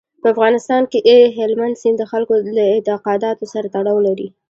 په افغانستان کې هلمند سیند د خلکو له اعتقاداتو سره تړاو لري.